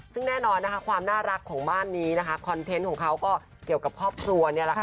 ซึ่งแน่นอนความน่ารักของบ้านนี้คอนเทนต์ของเขาก็เกี่ยวกับครอบครัว